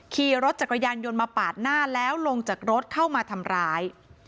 ขี่รถจักรยานยนต์มาปาดหน้าแล้วลงจากรถเข้ามาทำร้าย